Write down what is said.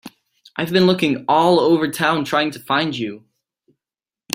I've been looking all over town trying to find you.